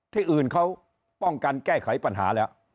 ที่อื่นเขาป้องกันแก้ไขปัญหาแล้ว